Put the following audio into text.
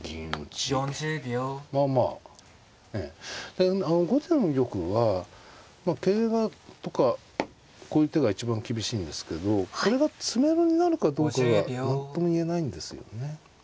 で後手の玉は桂馬とかこういう手が一番厳しいんですけどこれが詰めろになるかどうかが何とも言えないんですよね。